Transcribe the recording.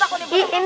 nah ini asik orang